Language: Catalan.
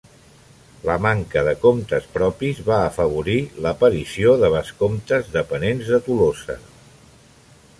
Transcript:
La manca de comtes propis va afavorir l'aparició de vescomtes dependents de Tolosa.